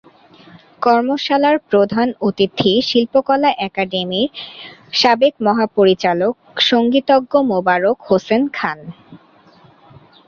কর্মশালার প্রধান অতিথি শিল্পকলা একাডেমীর সাবেক মহাপরিচালক সংগীতজ্ঞ মোবারক হোসেন খান।